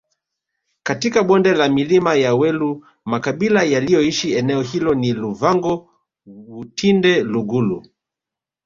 katika bonde la milima ya welu makabila yaliyoishi eneo hilo ni Luvango wutinde lugulu